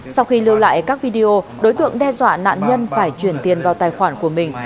sau khi lưu lại các video đối tượng đe dọa nạn nhân phải chuyển tiền vào tài khoản của mình